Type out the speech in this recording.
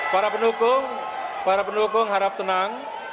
para pendukung para pendukung harap tenang